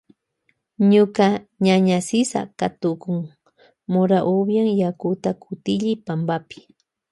Ñuka ñaña Sisa katukun mora upyan yakuta kitulli pampapi.